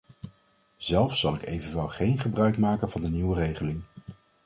Zelf zal ik evenwel geen gebruik maken van de nieuwe regeling.